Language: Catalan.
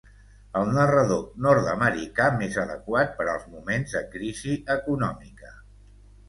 El narrador nord-americà més adequat per als moments de crisi econòmica.